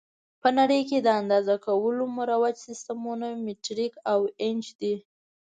په نړۍ کې د اندازه کولو مروج سیسټمونه مټریک او ایچ دي.